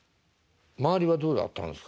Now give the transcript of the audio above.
周りはどうだったんですか？